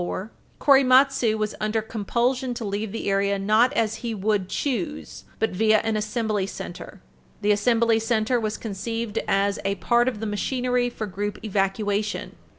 34, Korematsu was under compulsion to leave the area not as he would choose, but via an Assembly Center. The Assembly Center was conceived as a part of the machinery for group evacuation.